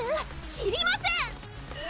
知りません！